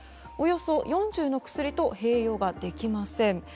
およそ４０の薬と併用ができません。